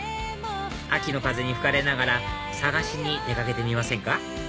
秋の風に吹かれながら探しに出掛けてみませんか？